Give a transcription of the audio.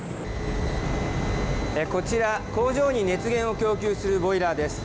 こちら工場に熱源を供給するボイラーです。